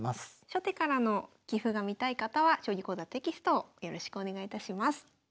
初手からの棋譜が見たい方は「将棋講座」テキストをよろしくお願いいたします。